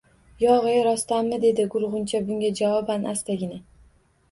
— Yo‘g‘-e, rostdanmi? — dedi gulg‘uncha bunga javoban astagina.